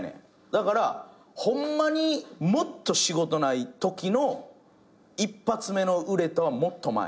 だからホンマにもっと仕事ないときの一発目の売れとはもっと前。